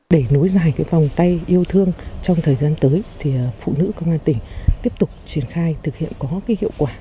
để nối dài cái vòng tay yêu thương trong thời gian tới thì phụ nữ công an tỉnh tiếp tục triển khai thực hiện có cái hiệu quả